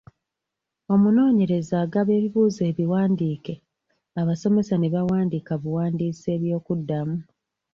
"Omunoonyereza agaba ebibuuzo ebiwandiike, abasomesa ne bawandiika buwandiisi eby’okuddamu."